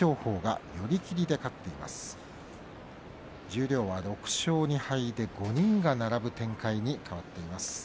十両は６勝２敗で５人が並ぶ展開に変わっています。